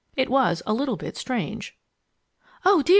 It was a little bit strange. "Oh, dear!